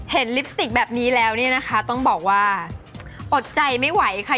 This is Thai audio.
เห็นลิปสติกแบบนี้แล้วต้องบอกว่าอดใจไม่ไหวค่ะ